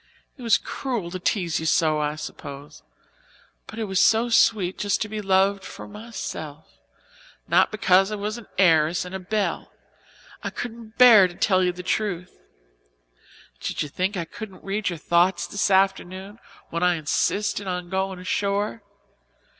It was cruel to tease you so, I suppose, but it was so sweet just to be loved for myself not because I was an heiress and a belle I couldn't bear to tell you the truth. Did you think I couldn't read your thoughts this afternoon, when I insisted on going ashore?